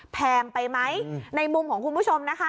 แพงไปไหมในมุมของคุณผู้ชมนะคะ